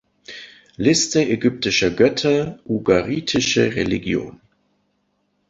Liste ägyptischer Götter, Ugaritische Religion